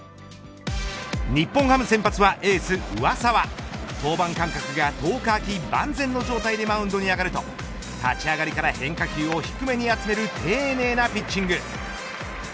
日本ハム先発はエース上沢登板間隔が１０日空き万全の状態でマウンドに上がると立ち上がりから変化球を低めに集める丁寧なピッチング。